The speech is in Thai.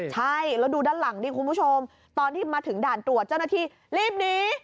ใช่แล้วดูด้านหลังดิคุณผู้ชมตอนที่มาถึงด่านตรวจเจ้าหน้าที่รีบหนี